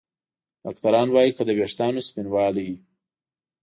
ډاکتران وايي که د ویښتانو سپینوالی